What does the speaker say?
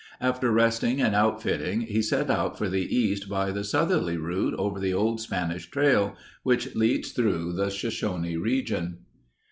After resting and outfitting, he set out for the East by the southerly route over the old Spanish trail, which leads through the Shoshone region.